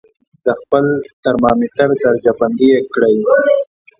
د خپل ترمامتر درجه بندي یې کړئ.